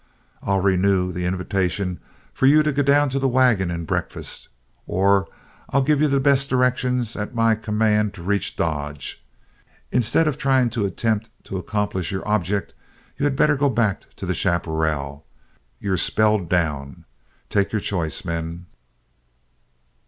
I'll renew the invitation for you to go down to the wagon and breakfast, or I'll give you the best directions at my command to reach Dodge. Instead of trying to attempt to accomplish your object you had better go back to the chaparral you're spelled down. Take your choice, men."